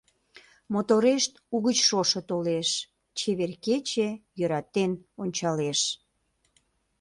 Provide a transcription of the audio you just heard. Моторешт, угыч шошо толеш, Чевер кече йӧратен ончалеш.